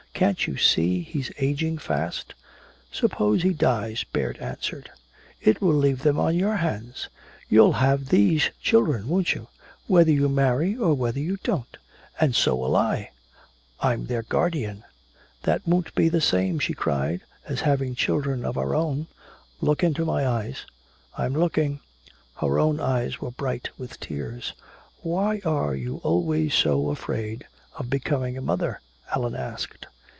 Can't you see he's ageing fast?" "Suppose he dies," Baird answered. "It will leave them on your hands. You'll have these children, won't you, whether you marry or whether you don't! And so will I! I'm their guardian!" "That won't be the same," she cried, "as having children of our own " "Look into my eyes." "I'm looking " Her own eyes were bright with tears. "Why are you always so afraid of becoming a mother?" Allan asked.